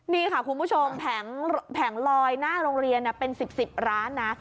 นี่ค่ะคุณผู้ชมแผงลอยหน้าโรงเรียนเป็น๑๐๑๐ร้านนะ